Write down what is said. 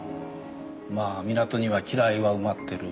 まあ港には機雷は埋まってる。